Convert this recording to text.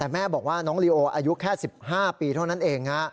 แต่แม่บอกว่าน้องลีโออายุแค่๑๕ปีเท่านั้นเอง